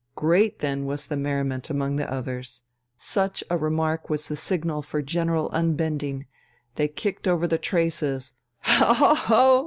Great then was the merriment among the others. Such a remark was the signal for general unbending, they kicked over the traces, "Ho, ho, ho!"